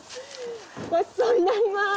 ごちそうになります。